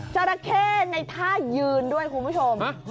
จราเข้ในท่ายืนด้วยคุณผู้ชม